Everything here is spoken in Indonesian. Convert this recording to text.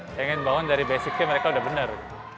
saya ingin bangun dari basicnya mereka udah benar